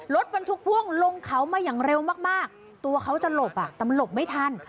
รถบรรทุกพ่วงลงเขามาอย่างเร็วมากตัวเขาจะหลบแต่มันหลบไม่ทัน